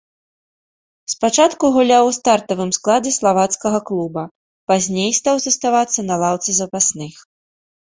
Спачатку гуляў у стартавым складзе славацкага клуба, пазней стаў заставацца на лаўцы запасных.